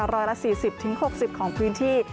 ร้อยละ๔๐๖๐ของพื้นที่